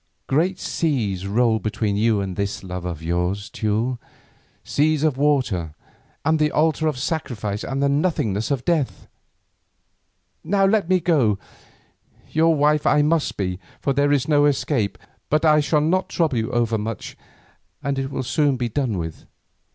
Great seas roll between you and this love of yours, Teule, seas of water, and the altar of sacrifice, and the nothingness of death. Now let me go. Your wife I must be, for there is no escape, but I shall not trouble you over much, and it will soon be done with.